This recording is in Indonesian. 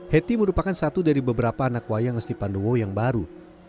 heti merupakan satu dari beberapa anak wayang ngesti pandowo yang baru